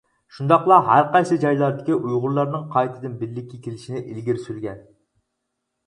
شۇنداقلا ھەرقايسى جايلاردىكى ئۇيغۇرلارنىڭ قايتىدىن بىرلىككە كېلىشىنى ئىلگىرى سۈرگەن.